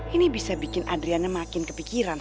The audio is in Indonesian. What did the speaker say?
ini bisa bikin adriannya makin kepikiran